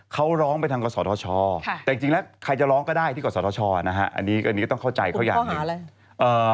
เขาร้องไปทางกศธชแต่จริงแล้วใครจะร้องก็ได้ที่กศธชนะฮะอันนี้ก็ต้องเข้าใจเขาอย่างหนึ่ง